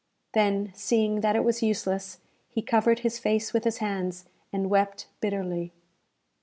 Then, seeing that it was useless, he covered his face with his hands, and wept bitterly.